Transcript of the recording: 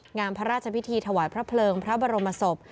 งามพระราชพิธีถวายพระเพลิงพระบรมศพ